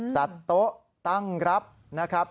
จัดโต๊ะตั้งรับนะครับ